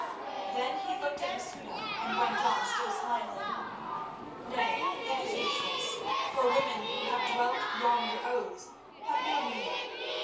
Then he looked at Masouda and went on, still smiling: "Nay it is useless; for women who have dwelt yonder oaths have no meaning.